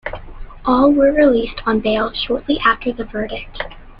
All were released on bail shortly after the verdict.